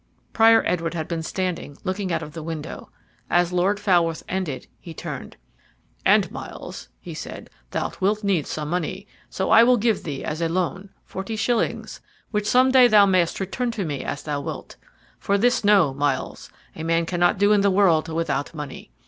Prior Edward had been standing looking out of the window. As Lord Falworth ended he turned. "And, Myles," said he, "thou wilt need some money, so I will give thee as a loan forty shillings, which some day thou mayst return to me an thou wilt. For this know, Myles, a man cannot do in the world without money.